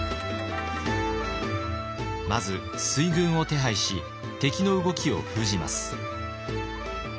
まず水軍を手配し敵の動きを封じます。